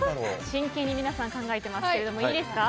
真剣に皆さん考えてますがいいですか？